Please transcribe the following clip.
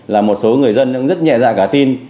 là một số người dân cũng rất nhẹ dạ cả tin